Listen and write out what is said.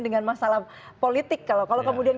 dengan masalah politik kalau kemudian